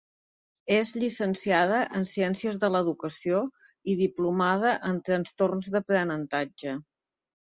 És llicenciada en Ciències de l’Educació i diplomada en Trastorns d’aprenentatge.